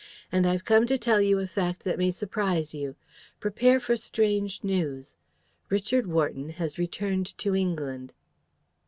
"'And I've come to tell you a fact that may surprise you. Prepare for strange news. Richard Wharton has returned to England!'